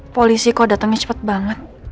polisi kok datangnya cepat banget